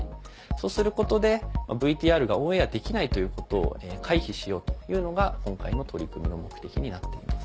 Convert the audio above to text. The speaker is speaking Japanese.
そうすることでＶＴＲがオンエアできないということを回避しようというのが今回の取り組みの目的になっています。